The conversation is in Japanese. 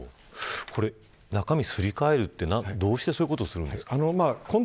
中身をすり替えるというのはどうしてそういうことをするんですか。